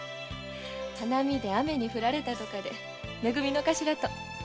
花見で雨に降られたとかでめ組の頭と。